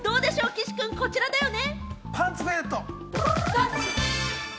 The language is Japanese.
岸君、こちらだよね。